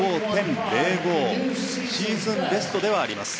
シーズンベストではあります。